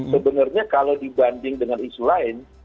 sebenarnya kalau dibanding dengan isu lain